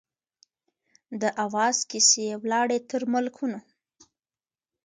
د آواز کیسې یې ولاړې تر ملکونو